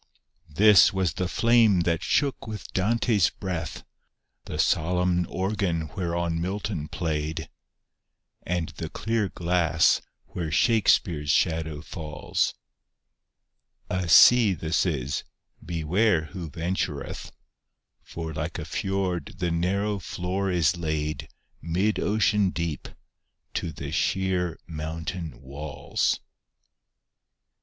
This was the flame that shook with Dante's breath ; The solenm organ whereon Milton played, And the clear glass where Shakespeare's shadow falls : A sea this is — beware who ventureth I For like a fjord the narrow floor b laid Mid ocean deep to the sheer mountain walls.